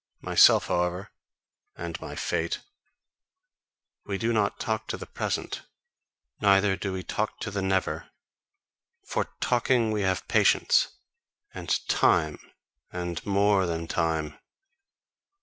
Myself, however, and my fate we do not talk to the Present, neither do we talk to the Never: for talking we have patience and time and more than time.